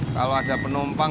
kalau ada penumpang